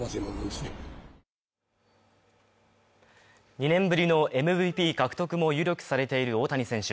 ２年ぶりのＭＶＰ獲得も有力されている大谷選手